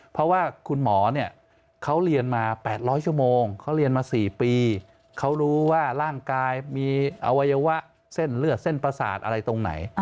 เพราะว่าคุณหมอเนี่ยเขาเรียนมา๘๐๐ชั่วโมงเขาเรียนมา๔ปีเขารู้ว่าร่างกายมีอวัยวะเส้นเลือดเส้นประสาทอะไรตรงไหน